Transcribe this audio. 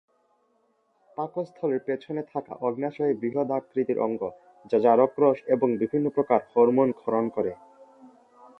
পাকস্থলীর পিছনে থাকা অগ্ন্যাশয় বৃহদাকৃতির অঙ্গ; যা জারক রস এবং বিভিন্ন প্রকার হরমোন ক্ষরণ করে।